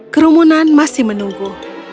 kerumunan masih menunggu